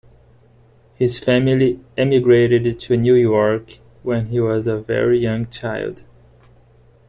His family emigrated to New York when he was a very young child.